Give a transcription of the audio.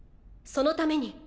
そのために」。